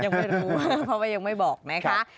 ยังไม่รู้เพราะว่ายังไม่บอกนะคะ